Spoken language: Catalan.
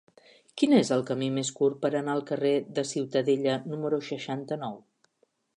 Quin és el camí més curt per anar al carrer de Ciutadella número seixanta-nou?